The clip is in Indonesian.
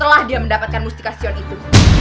setelah dia mendapatkan mustika sion itu